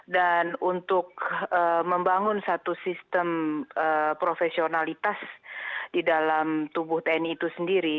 dan untuk membangun satu sistem profesionalitas di dalam tubuh tni itu sendiri